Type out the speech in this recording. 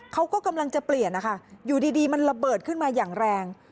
เขาก็กำลังจะเปลี่ยนนะคะอยู่ดีมันระเบิดขึ้นมาอย่างแรง